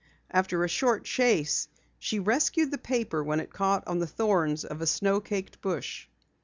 After a short chase she rescued the paper when it caught on the thorns of a snow caked bush.